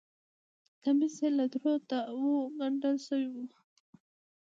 کمیس یې له درو تاوو ګنډل شوی و.